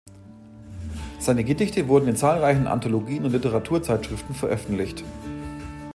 Seine Gedichte wurden in zahlreichen Anthologien und Literaturzeitschriften veröffentlicht.